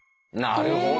なるほど。